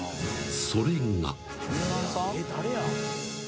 それが］